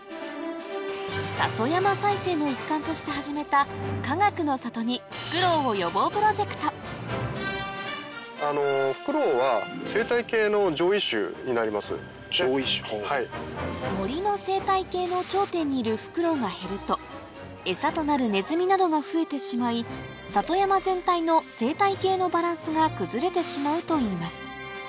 里山再生の一環として始めたかがくの里にフクロウを呼ぼうプロジェクト森の生態系の頂点にいるフクロウが減るとエサとなるネズミなどが増えてしまい里山全体の生態系のバランスが崩れてしまうといいます